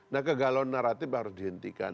nah kegalauan naratif harus dihentikan